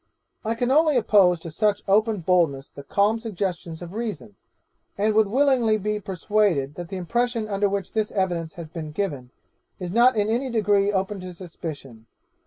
'I can only oppose to such open boldness the calm suggestions of reason, and would willingly be persuaded that the impression under which this evidence has been given is not in any degree open to suspicion.